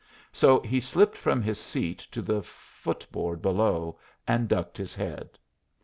So he slipped from his seat to the footboard below, and ducked his head.